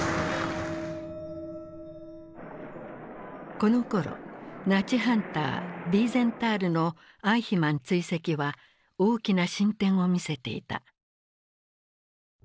このころナチハンターヴィーゼンタールのアイヒマン追跡は大きな進展を見せていた。